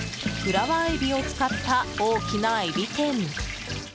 フラワーエビを使った大きなエビ天。